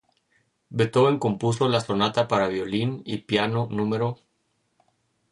Beethoven compuso la Sonata para violín y piano No.